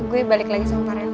gue balik lagi sama pareo